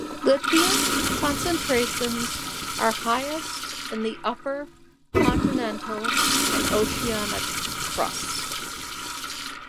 Lithium concentrations are highest in the upper continental and oceanic crusts.